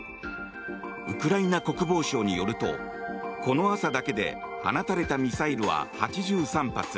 ウクライナ国防省によるとこの朝だけで放たれたミサイルは８３発。